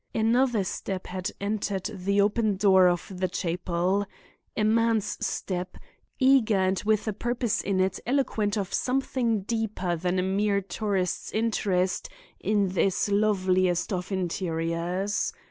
"Another step had entered the open door of the chapel—a man's step—eager and with a purpose in it eloquent of something deeper than a mere tourist's interest in this loveliest of interiors.